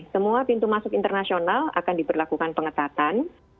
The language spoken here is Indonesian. semua pintu masuk internasional akan diberlakukan pengetatan